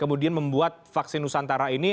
kemudian membuat vaksin nusantara ini